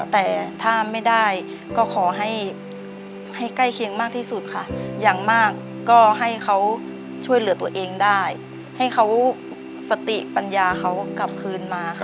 แต่ถ้าไม่ได้ก็ขอให้ใกล้เคียงมากที่สุดค่ะอย่างมากก็ให้เขาช่วยเหลือตัวเองได้ให้เขาสติปัญญาเขากลับคืนมาค่ะ